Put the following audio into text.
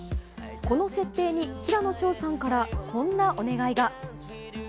この設定に、平野紫耀さんから、こんなお願いが。